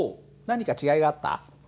何か違いがあった？